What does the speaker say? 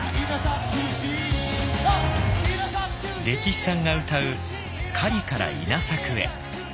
レキシさんが歌う「狩りから稲作へ」。